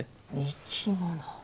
生き物？